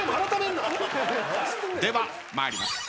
では参ります。